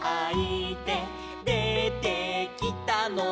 「でてきたのは」